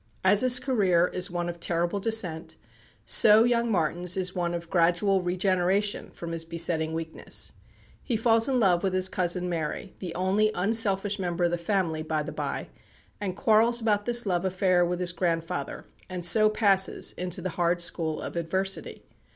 As his career is one of terrible descent, so young Martin's is one of gradual regeneration from his besetting weakness. He falls in love with his cousin Mary the only unselfish member of the family, by the bye and quarrels about this love affair with his grandfather, and so passes into the hard school of adversity.